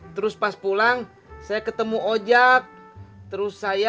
terus pas pulang saya ketemu ojak terus saya